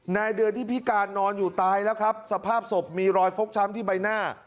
เดือนที่พิการนอนอยู่ตายแล้วครับสภาพศพมีรอยฟกช้ำที่ใบหน้า